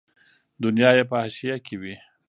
دنیا یې په حاشیه کې وي.